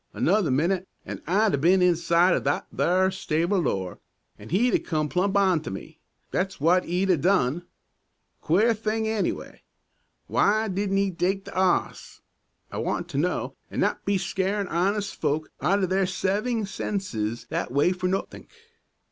"Another minute, an' I'd 'a' been inside o' that there stable door, an' 'e'd 'a' come plump onto me; that's w'at 'e'd 'a' done. Queer thing, anyway. W'y didn't 'e take the 'oss, I want to know, an' not be scarin' honest folk out o' their seving senses that way for nothink?"